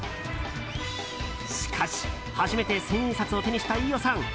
しかし、初めて１０００円札を手にした飯尾さん。